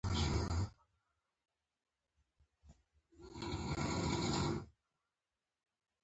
پښتو دې زموږ د فکر او احساس ژبه وګرځي.